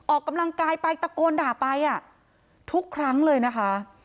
ออกกำลังกายไปตะโกนด่าไปอ่ะทุกครั้งเลยนะคะ